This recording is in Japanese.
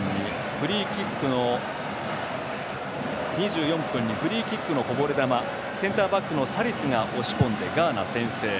前半２４分にフリーキックのこぼれ球、センターバックのサリスが押し込んでガーナ、先制。